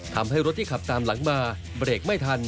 ทำให้รถที่ขับตามหลังมาเบรกไม่ทัน